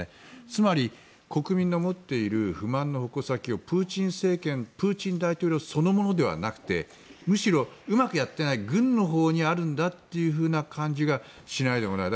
つまり、国民の持っている不満の矛先をプーチン大統領そのものじゃなくてむしろ、うまくやっていない軍のほうにあるんだというふうな感じがしないでもない。